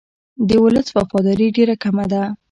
د ولس وفاداري ډېره کمه ده.